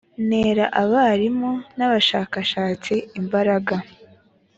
ntera abarimu n abashakashatsi imbaraga